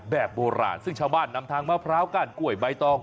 แบบโบราณซึ่งชาวบ้านนำทางมะพร้าวก้านกล้วยใบตอง